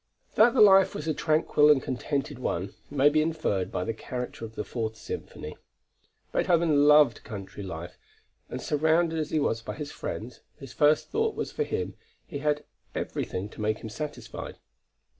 That the life was a tranquil and contented one may be inferred by the character of the Fourth Symphony. Beethoven loved country life, and surrounded as he was by his friends, whose first thought was for him, he had everything to make him satisfied.